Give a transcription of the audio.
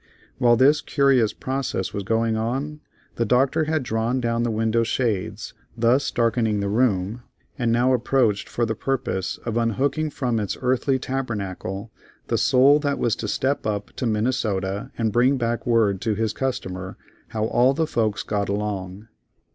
While this curious process was going on, the Doctor had drawn down the window shades, thus darkening the room, and now approached for the purpose of unhooking from its earthly tabernacle the soul that was to step up to Minnesota and bring back word to his customer "how all the folks got along."